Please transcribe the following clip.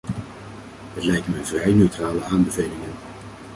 Het lijken mij vrij neutrale aanbevelingen.